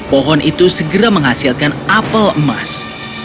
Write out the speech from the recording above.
pohon itu segera menghasilkan apel emas